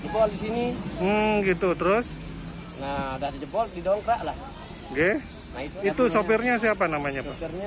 pertanyaannya pak jul namanya